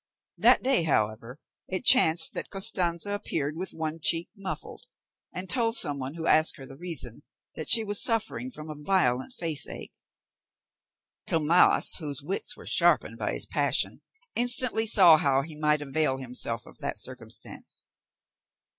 That day, however, it chanced that Costanza appeared with one cheek muffled, and told some one who asked her the reason, that she was suffering from a violent face ache. Tomas, whose wits were sharpened by his passion, instantly saw how he might avail himself of that circumstance.